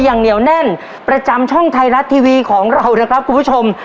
เหนียวแน่นประจำช่องไทยรัฐทีวีของเรานะครับคุณผู้ชม